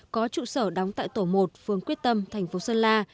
có trụ sở đóng tại tổ một phương quyết tâm thành phố sơn la